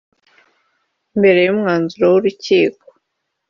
Mbere y’umwanzuro w’urukiko